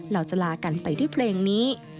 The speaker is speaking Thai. เราจะลากันไปด้วยเพลงนี้